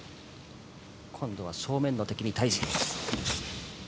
今度は正面の敵に対峙。